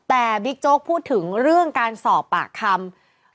แต่บิ๊กโจ๊กพูดถึงเรื่องการสอบปากคำ